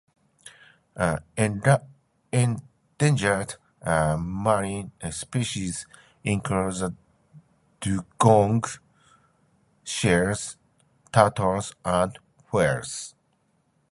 Endangered marine species include the dugong, seals, turtles, and whales.